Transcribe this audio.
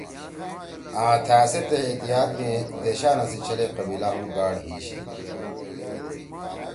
آں تھأ سیت تے اتحاد می ”دیشانا“ سی چھلے قبیلہ ہُم گاڑ ہیِشی۔